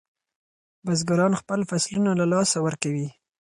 بزګران خپل فصلونه له لاسه ورکوي.